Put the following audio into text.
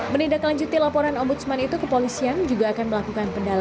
menindak lanjuti laporan ombudsman itu ke polisian juga akan melakukan pendapatan